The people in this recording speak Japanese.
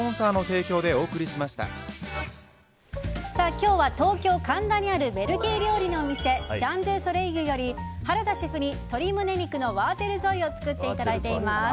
今日は、東京・神田にあるベルギー料理のお店シャン・ドゥ・ソレイユより原田シェフに鶏胸肉のワーテルゾイを作っていただいています。